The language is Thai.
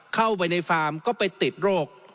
เข้าไปในฟาร์มก็ไปติดโรค